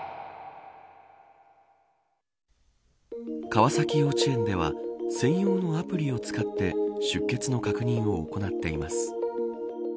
川崎幼稚園では専用のアプリを使って出欠の確認を行っています。